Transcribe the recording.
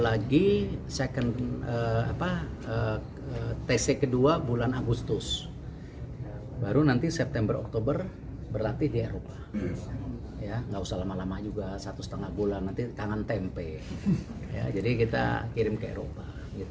ada pendampingan dari eropa